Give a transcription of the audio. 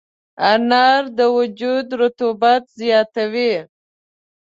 انار د وجود رطوبت زیاتوي.